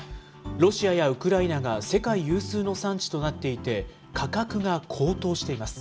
ロシアやウクライナが世界有数の産地となっていて価格が高騰しています。